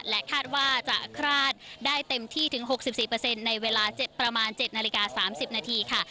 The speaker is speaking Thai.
และคาดว่าจะคลาดได้เต็มที่ถึง๖๔ในเวลาประมาณ๗นาฬิกา๓๐นาทีค่ะ